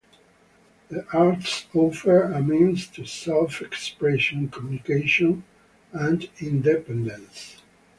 The arts offer a means to self-expression, communication, and independence.